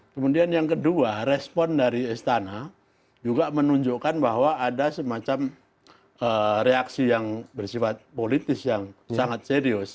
kemudian yang kedua respon dari istana juga menunjukkan bahwa ada semacam reaksi yang bersifat politis yang sangat serius